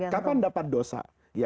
kapan dapat dosa